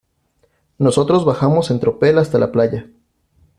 nosotros bajamos en tropel hasta la playa.